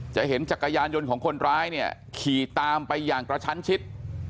เห็นจักรยานยนต์ของคนร้ายเนี่ยขี่ตามไปอย่างกระชั้นชิด